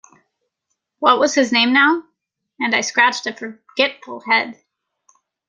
What was his name now?” And I scratched a forgetful head.